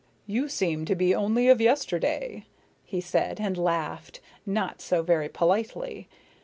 "You seem to be only of yesterday?" he said, and laughed not so very politely.